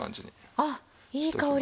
ああいい香り！